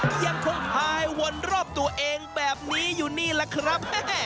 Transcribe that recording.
ยังคงพายวนรอบตัวเองแบบนี้อยู่นี่แหละครับ